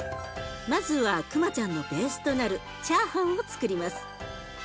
まずはくまちゃんのベースとなるチャーハンをつくります。